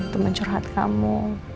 temen curhat kamu